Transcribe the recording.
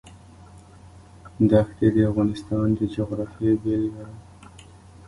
دښتې د افغانستان د جغرافیې بېلګه ده.